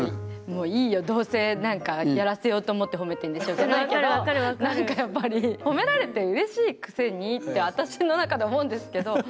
「もういいよどうせ何かやらせようと思ってほめてんでしょ」じゃないけどなんかやっぱりほめられてうれしいくせにって私の中で思うんですけど。